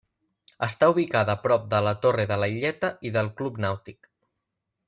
Està ubicada prop de la Torre de la Illeta i del club nàutic.